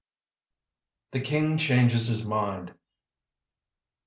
THE KING CHANGES HIS MIND.